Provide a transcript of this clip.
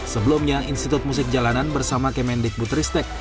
sebelumnya institut musik jalanan bersama kemendik butristek